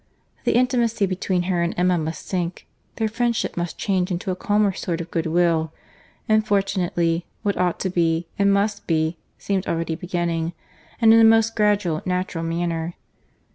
—The intimacy between her and Emma must sink; their friendship must change into a calmer sort of goodwill; and, fortunately, what ought to be, and must be, seemed already beginning, and in the most gradual, natural manner.